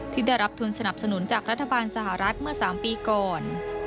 ที่ได้รับทุนสนับสนุนจากรัฐบาลสหรัฐเมื่อ๓ปีก่อน